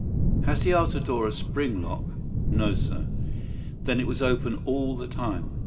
"Has the outer door a spring lock?" "No, sir." "Then it was open all the time?"